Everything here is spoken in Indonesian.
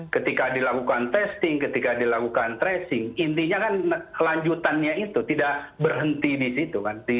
ketika dilakukan testing ketika dilakukan tracing intinya kan kelanjutannya itu tidak berhenti di situ